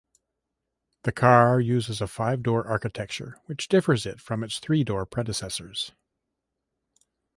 The car uses a five-door architecture, which differs it from its three-door predecessors.